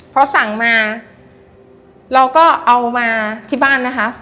พอสั่งมาเราก็เอามาที่บ้านนะคะ